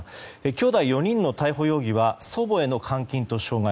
きょうだい４人の逮捕容疑は祖母への監禁と傷害。